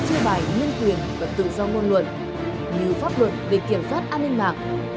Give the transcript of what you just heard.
chư bài nguyên quyền và tự do ngôn luận như pháp luật về kiểm soát an ninh mạng